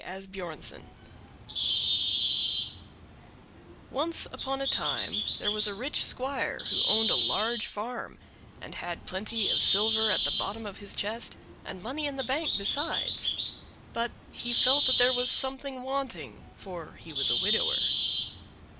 Asbjörnsen Once upon a time there was a rich squire who owned a large farm, and had plenty of silver at the bottom of his chest and money in the bank besides; but he felt there was something wanting, for he was a widower.